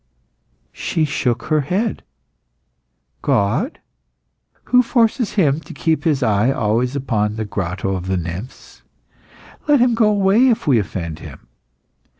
She shook her head. "God? Who forces Him to keep His eye always upon the Grotto of Nymphs? Let Him go away if we offend Him!